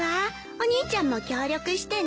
お兄ちゃんも協力してね。